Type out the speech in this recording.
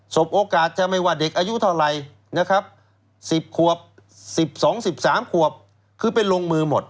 บโอกาสจะไม่ว่าเด็กอายุเท่าไหร่นะครับ๑๐ขวบ๑๒๑๓ขวบคือเป็นลงมือหมด